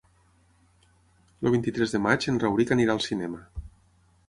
El vint-i-tres de maig en Rauric irà al cinema.